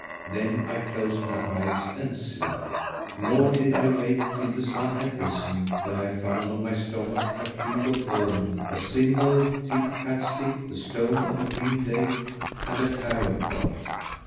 Then I closed my eyes and slept, nor did I wake till the sun had risen, when I found on my stomach a cube of bone,[FN#506] a single tip cat stick,[FN#507] the stone of a green date[FN#508] and a carob pod.